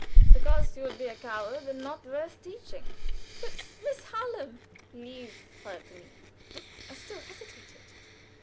"Because you would be a coward, and not worth teaching." "But Miss Hallam?" "Leave her to me." I still hesitated.